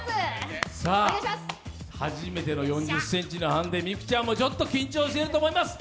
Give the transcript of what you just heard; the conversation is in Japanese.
初めての４０ｃｍのハンデ、美空ちゃんもちょっと緊張していると思います。